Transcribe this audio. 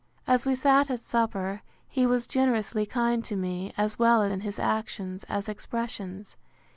As we sat at supper, he was generously kind to me, as well in his actions, as expressions.